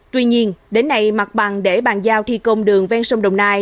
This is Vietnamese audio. tuy nhiên đến nay mặt bằng để bàn giao thi công đường ven sông đồng nai